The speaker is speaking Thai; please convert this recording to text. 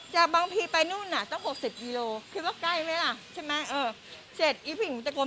ช่องไปที่ร้านเขาพอดีเลยเอาวิโอช่องไปพอดีเลย